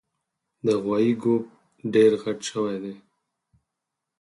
د غوایي ګوپ ډېر غټ شوی دی